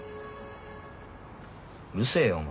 うるせえよお前。